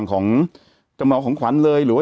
แต่หนูจะเอากับน้องเขามาแต่ว่า